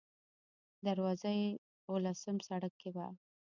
دروازه یې اوولسم سړک کې وه.